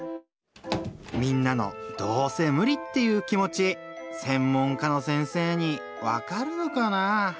みんなの「どうせ無理」っていう気持ち専門家の先生にわかるのかなぁ？